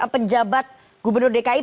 penjabat gubernur dki